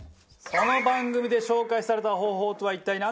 その番組で紹介された方法とは一体なんでしょう？